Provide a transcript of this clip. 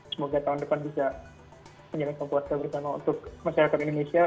semoga tahun depan bisa menjalankan puasa bersama untuk masyarakat indonesia